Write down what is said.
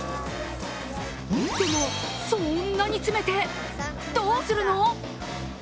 でも、そんなに詰めて、どうするの？